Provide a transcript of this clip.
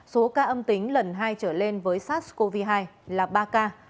số ca âm tính lần hai trở lên với sars cov hai là ba ca